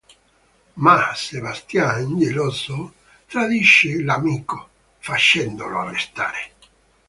Ma, Sebastian, geloso, tradisce l'amico, facendolo arrestare.